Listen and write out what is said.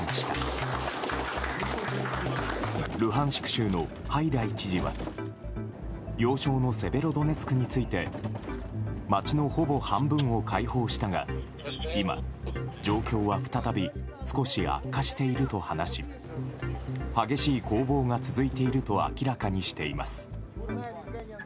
州のハイダイ知事は要衝のセベロドネツクについて街のほぼ半分を解放したが今、状況は再び少し悪化していると話し激しい攻防が続いていると明らかにしています。